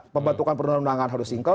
pembantukan perundangan harus sinkron